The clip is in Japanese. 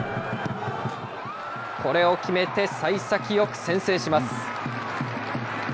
これを決めてさい先よく先制します。